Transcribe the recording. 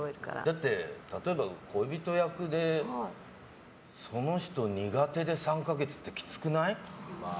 だって、例えば恋人役でその人、苦手で３か月ってきつくない？